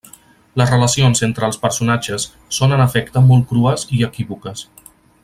Les relacions entre els personatges són en efecte molt crues i equívoques.